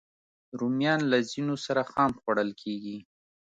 رومیان له ځینو سره خام خوړل کېږي